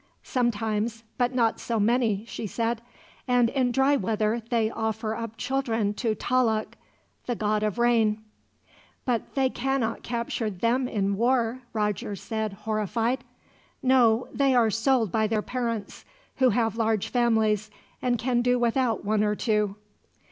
"Sometimes, but not so many," she said; "and in dry weather they offer up children to Talloc, the god of rain." "But they cannot capture them in war," Roger said, horrified. "No, they are sold by their parents, who have large families, and can do without one or two."